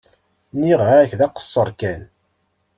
Nniɣ-ak d aqeṣṣer kan.